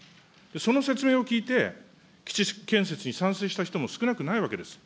その説明を聞いて、基地建設に賛成した人も少なくないわけです。